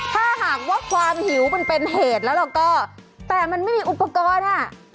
ถ้าหากว่าความหิวมันเป็นเหตุแล้วเราก็แต่มันไม่มีอุปกรณ์อ่ะ